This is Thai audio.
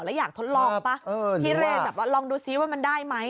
แล้วอยากทดลองป่ะพี่เร่แบบว่าลองดูซิว่ามันได้ไหม